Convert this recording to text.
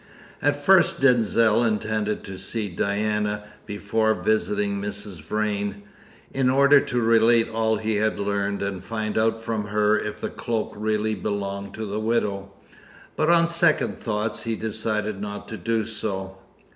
At first Denzil intended to see Diana before visiting Mrs. Vrain, in order to relate all he had learned, and find out from her if the cloak really belonged to the widow. But on second thoughts he decided not to do so.